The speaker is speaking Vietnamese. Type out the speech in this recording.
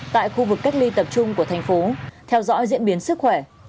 tại khu vực cách ly tập trung của thành phố theo dõi diễn biến sức khỏe